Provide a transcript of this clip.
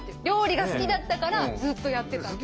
料理が好きだったからずっとやってた。